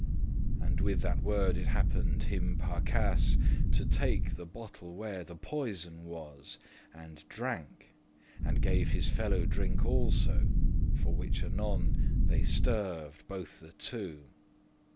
And with that word it happen'd him *par cas* *by chance To take the bottle where the poison was, And drank, and gave his fellow drink also, For which anon they sterved* both the two.